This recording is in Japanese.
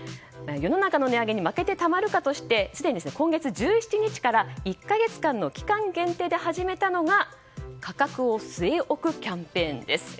世の中の値上げに負けてたまるか！としてすでに今月１７日から１か月間の期間限定で始めたのが価格を据え置くキャンペーンです。